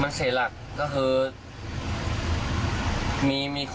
มันเสียหลักก็คือมี